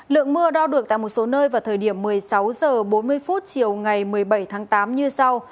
lượng mưa đo được tại một số nơi vào thời điểm một mươi sáu h bốn mươi chiều ngày một mươi bảy tháng tám như sau